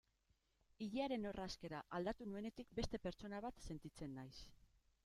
Ilearen orrazkera aldatu nuenetik beste pertsona bat sentitzen naiz.